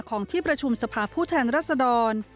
ของที่ประชุมสภาพผู้แทนรัศดร